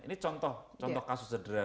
ini contoh contoh kasus sederhana ya